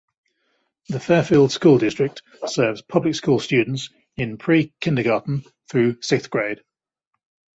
The Fairfield School District serves public school students in pre-kindergarten through sixth grade.